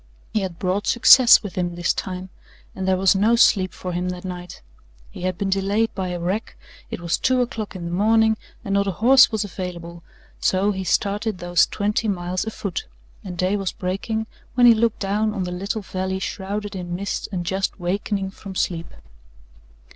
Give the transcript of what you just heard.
He had brought success with him this time and there was no sleep for him that night. He had been delayed by a wreck, it was two o'clock in the morning, and not a horse was available; so he started those twenty miles afoot, and day was breaking when he looked down on the little valley shrouded in mist and just wakening from sleep.